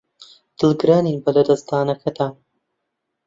دڵگرانین بە لەدەستدانەکەتان.